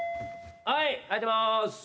はい開いてます。